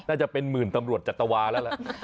น่าจะเป็นหมื่นตำรวจจัตวาแล้วแหละ